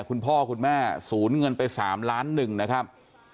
คุณพ่อคุณแม่ศูนย์เงินไป๓ล้านหนึ่งนะครับ